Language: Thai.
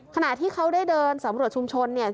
ขณะที่เขาได้เดินสำรวจชุมชนเนี่ย